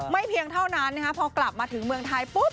เพียงเท่านั้นพอกลับมาถึงเมืองไทยปุ๊บ